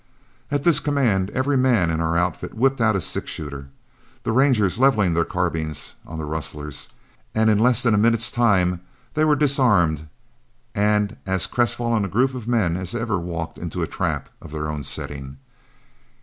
At this command, every man in our outfit whipped out his six shooter, the Rangers leveled their carbines on the rustlers, and in less than a minute's time they were disarmed and as crestfallen a group of men as ever walked into a trap of their own setting.